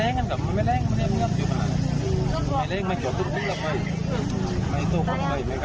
น้องเขาเคยเสียดยายังไหม